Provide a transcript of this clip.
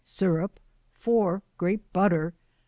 Syrup. 4. Grape butter.